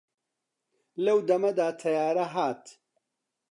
لەو دەمەدا تەیارە هات